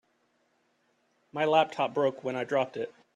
My laptop broke when I dropped it.